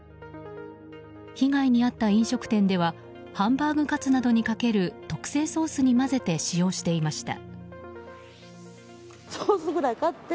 被害に遭った飲食店ではハンバーグカツなどにかける特製ソースに混ぜて使用していました。